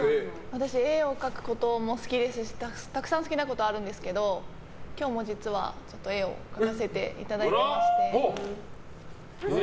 私、絵を描くことも好きですしたくさん好きなことあるんですけど今日も実は絵を描かせていただいてまして。